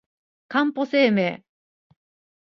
かんぽ生命